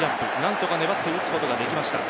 なんとか粘って打つことができました。